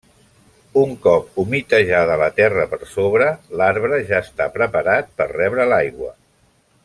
Un cop humitejada la terra per sobre, l'arbre ja està preparat per rebre l'aigua.